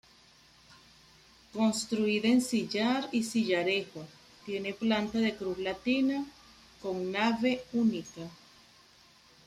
Construida en sillar y sillarejo, tiene planta de cruz latina, con nave única.